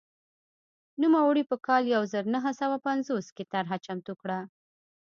نوموړي په کال یو زر نهه سوه پنځوس کې طرحه چمتو کړه.